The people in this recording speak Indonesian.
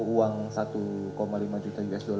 uang satu lima juta usd